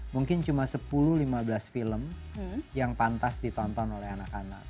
mungkin cuma sepuluh lima belas film yang pantas ditonton oleh anak anak